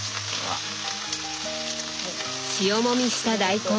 塩もみした大根。